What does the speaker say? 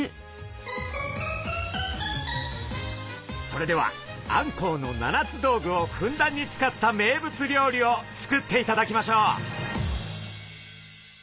それではあんこうの七つ道具をふんだんに使った名物料理を作っていただきましょう。